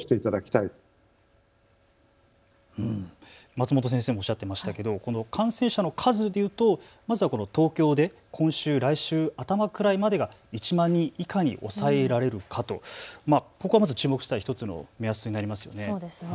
松本先生もおっしゃっていましたけど感染者の数でいうとまず東京で今週、来週あたまくらいまでが１万人以下に抑えられるかと、注目したい１つの目安になりますよね。